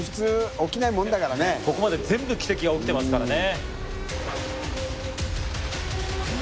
ここまで全部奇跡が起きてますからね。